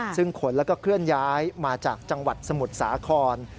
ซึ่งขนแล้วก็เคลื่อนย้ายมาจากจังหวัดสมุทรสาคร